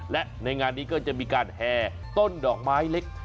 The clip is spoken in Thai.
และในงานนี้ก็จะมีการแห่ต้นดอกไม้เล็ก